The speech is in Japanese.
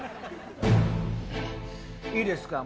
いいですか。